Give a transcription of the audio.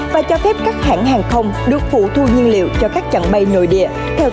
và cho phép các hãng hàng không được phụ thu nhiên liệu cho các chặng bay nội địa